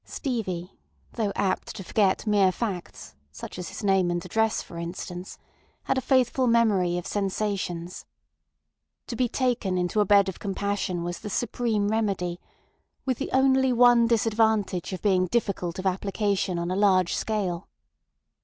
Stevie, though apt to forget mere facts, such as his name and address for instance, had a faithful memory of sensations. To be taken into a bed of compassion was the supreme remedy, with the only one disadvantage of being difficult of application on a large scale.